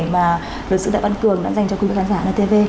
mà luật sư đạo văn cường đã dành cho quý vị khán giả nhtv